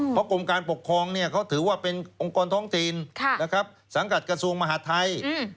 เพราะกรมการปกครองเขาถือว่าเป็นองค์กรท้องถิ่นสังกัดกระทรวงมหาดไทย